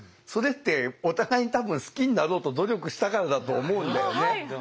それってお互いに多分好きになろうと努力したからだと思うんだよね。